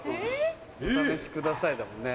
「お試しください」だもんね。